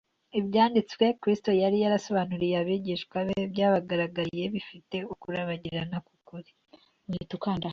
ibyanditswe Kristo yari yarasobanuriye abigishwa be byabagaragariye bifite ukurabagirana k’ukuri